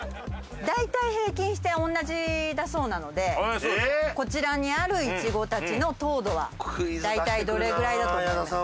だいたい平均しておんなじだそうなのでこちらにあるイチゴたちの糖度はだいたいどれぐらいだと思います？